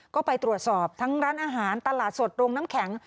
ก็ไปตรวจสอบทั้งร้านอาหารตลาดสดโรงน้ำแข็ง